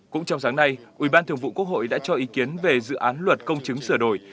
cũng trong sáng nay ủy ban thường vụ quốc hội đã cho ý kiến về dự án luật công chứng sửa đổi